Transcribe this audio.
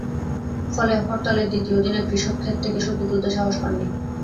ফলে হরতালের দ্বিতীয় দিনে কৃষক খেত থেকে সবজি তুলতে সাহস পাননি।